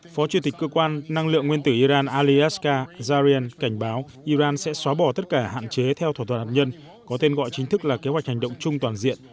phó chủ tịch cơ quan năng lượng nguyên tử iran ali askar zarian cảnh báo iran sẽ xóa bỏ tất cả hạn chế theo thỏa thuận hạt nhân có tên gọi chính thức là kế hoạch hành động chung toàn diện